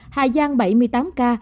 hà giang bảy mươi tám ca